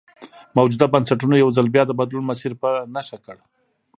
موجوده بنسټونو یو ځل بیا د بدلون مسیر په نښه کړ.